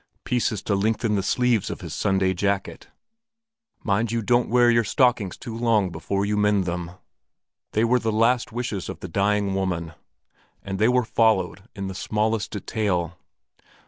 Pieces to lengthen the sleeves of his Sunday jacket. Mind you don't wear your stockings too long before you mend them." They were the last wishes of the dying woman, and they were followed in the smallest detail.